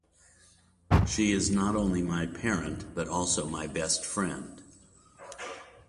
She is not only my parent but also my best friend.